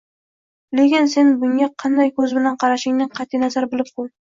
lekin sen bunga qanday ko‘z bilan qarashingdan qat’iy nazar bilib qo'y.